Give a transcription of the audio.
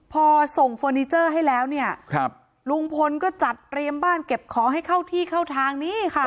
พอส่งเฟอร์นิเจอร์ให้แล้วเนี่ยครับลุงพลก็จัดเตรียมบ้านเก็บของให้เข้าที่เข้าทางนี้ค่ะ